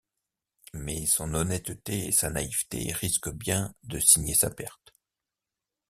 Mais son honnêteté et sa naïveté risquent bien de signer sa perte...